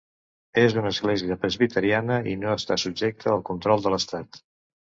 És una església presbiteriana i no està subjecta al control de l'estat.